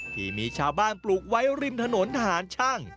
ที่มีชาวบ้านปลูกไว้ริมถนนทหารช่าง